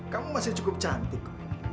kamu masih cukup cantik